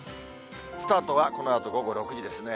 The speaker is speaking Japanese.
スタートはこのあと午後６時ですね。